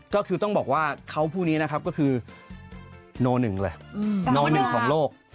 ก็คือต้องบอกว่าเขาพูดนี้นะครับก็คือโน๑เลยโน๑ของโลก